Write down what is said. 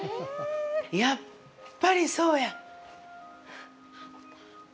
やっぱり、そうや！